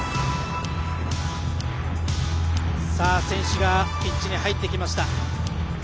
選手がピッチに入ってきました。